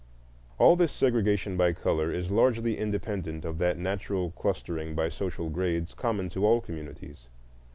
All this segregation by color is largely independent of that natural clustering by social grades common to all communities.